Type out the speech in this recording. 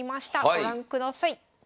ご覧ください。